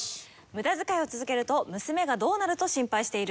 ムダ遣いを続けると娘がどうなると心配している？